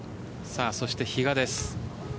そして比嘉です。